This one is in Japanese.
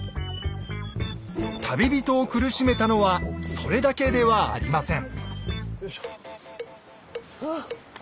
旅人を苦しめたのはそれだけではありません。